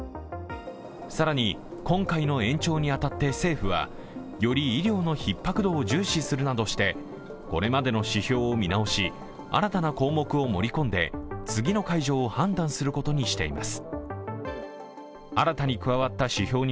更に、今回の延長に当たって政府はより医療のひっ迫度を重視するなどしてこれまでの指標を見直し、新たな項目を盛り込んで次の解除を判断することにしています。